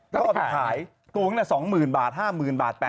เขาก็เอาไปขายตัวเหมือนกัน๒๐๐๐๐บาท๕๐๐๐๐บาท